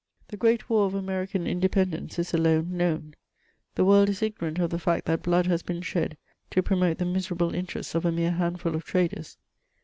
The great war of American Independence is alone known. The world is ignorant of the fact that blood has been shed to promote the miserable interests of a mere handful of traders.